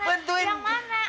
aku juga udah bangkit